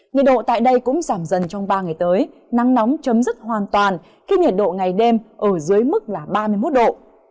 nhiệt độ tại đây cũng giảm dần trong ba ngày tới nắng nóng chấm dứt hoàn toàn khi nhiệt độ ngày đêm ở dưới mức là ba mươi một độ